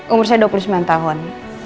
umur saya dua puluh sembilan tahun